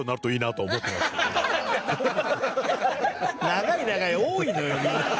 「長い長い」多いのよみんな。